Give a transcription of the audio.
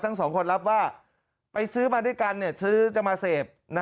ทั้งสองคนรับว่าไปซื้อมาด้วยกันซื้อจะมาเสพ